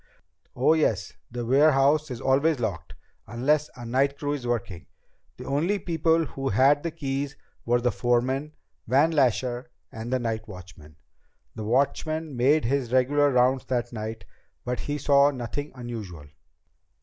"Oh, yes, the warehouse is always locked, unless a night crew is working. The only people who had keys were the foreman, Van Lasher, and the night watchman. The watchman made his regular rounds that night, but he saw nothing unusual.